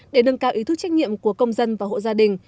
để nâng cao ý thức trách nhiệm của công dân và hộ gia đình